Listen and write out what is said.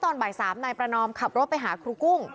ตอนบ่าย๓นายประนอมขับรถไปหาครูกุ้ง